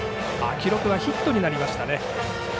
記録はヒットになりましたね。